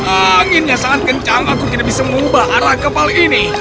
anginnya sangat kencang aku tidak bisa mengubah arah kapal ini